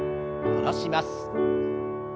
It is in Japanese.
下ろします。